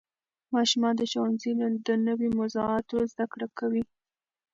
ماشومان د ښوونځي د نوې موضوعاتو زده کړه کوي